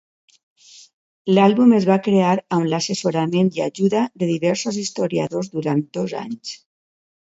L'àlbum es va crear amb l'assessorament i ajuda de diversos historiadors durant dos anys.